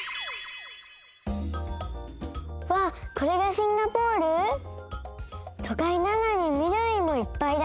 これがシンガポール？とかいなのにみどりもいっぱいだね。